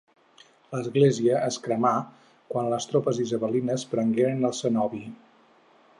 L'església es cremà quan les tropes isabelines prengueren el cenobi.